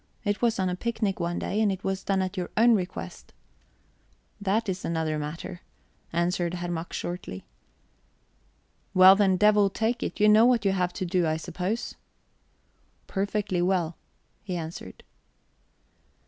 It was on a picnic one day. And it was done at your own request." "That is another matter," answered Herr Mack shortly. "Well, then, devil take it, you know what you have to do, I suppose?" "Perfectly well," he answered.